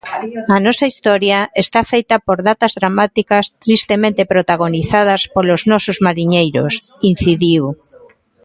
A nosa historia está feita por datas dramáticas tristemente protagonizadas polos nosos mariñeiros, incidiu.